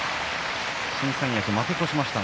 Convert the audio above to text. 新三役、負け越しました。